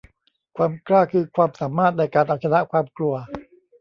ความกล้าคือความสามารถในการเอาชนะความกลัว